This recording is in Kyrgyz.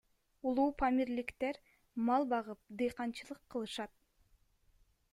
Улуупамирликтер мал багып, дыйканчылык кылышат.